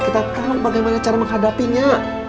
kita tahu bagaimana cara menghadapinya